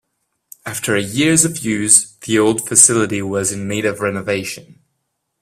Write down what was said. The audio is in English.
After years of use the old facility was in need of renovation.